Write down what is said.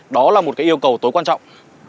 đó là một yêu cầu tối quan trọng